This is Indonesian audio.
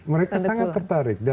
mereka sangat tertarik